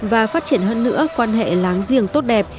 và phát triển hơn nữa quan hệ láng giềng tốt đẹp